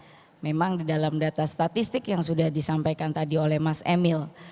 terima kasih banyak banyak di dalam data statistik yang sudah disampaikan tadi oleh mas emil